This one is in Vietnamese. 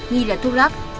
như là thuốc lắc